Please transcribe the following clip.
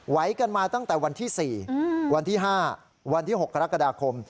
ไว้กันมาตั้งแต่วันที่๔วันที่๕วันที่๖กรกฎาคม